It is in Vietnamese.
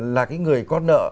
là cái người con nợ